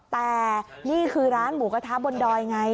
แต่นี่คือร้านหมูกระทะบนดอยไง